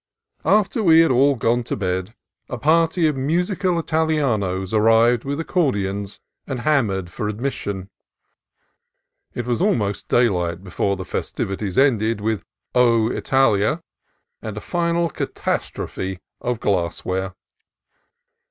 After we had all gone to bed a party of musical Italianos arrived with accordions, and hammered for admission. It was almost daylight before the festivities ended with "O Italia!" and a final catastrophe of glassware.